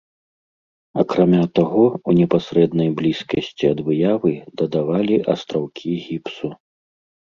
Акрамя таго, у непасрэднай блізкасці ад выявы дадавалі астраўкі гіпсу.